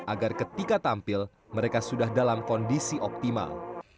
agar ketika tampil mereka sudah dalam kondisi optimal